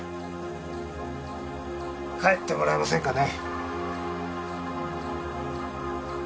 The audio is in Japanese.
帰ってもらえませんかね。